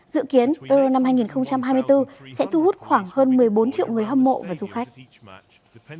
dự kiến euro năm hai nghìn hai mươi bốn sẽ thu hút khoảng hơn một mươi bốn triệu người hâm mộ và du khách